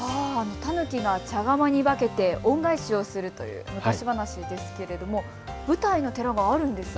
たぬきが茶釜に化けて恩返しをするという昔話ですけれども舞台の寺があるんですね。